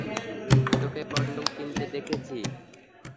তোকে কনডম কিনতে দেখেছি।